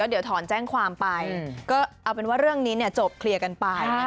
เดี๋ยวถอนแจ้งความไปก็เอาเป็นว่าเรื่องนี้จบเคลียร์กันไป